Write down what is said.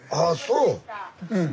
うん。